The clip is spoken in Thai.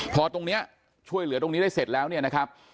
พอตรงนี้ช่วยเหลือตรงนี้ได้เสร็จแล้วนะคะ